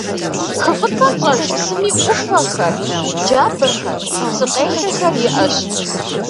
Хы Фӏыцӏэм щӏэж псыми ӏуфэхэр, джабэхэр, псы къелъэхэр иӏэщ.